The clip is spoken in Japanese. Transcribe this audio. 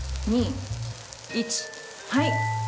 ３２１はい。